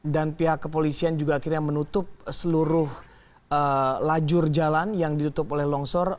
dan pihak kepolisian juga akhirnya menutup seluruh lajur jalan yang ditutup oleh longsor